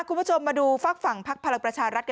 คุณผู้ชมมาดูฝักฝั่งภาพ